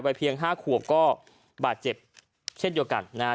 วัยเพียง๕ขัวก็บาดเจ็บเช็ดอยู่กันนะฮะ